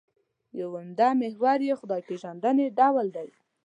یو عمده محور یې خدای پېژندنې ډول دی.